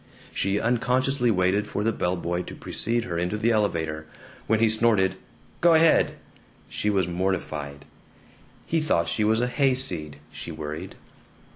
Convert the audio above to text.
She unconsciously waited for the bellboy to precede her into the elevator. When he snorted "Go ahead!" she was mortified. He thought she was a hayseed, she worried.